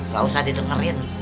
gak usah ditinggerin